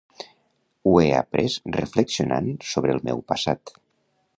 Ho he après reflexionant sobre el meu passat.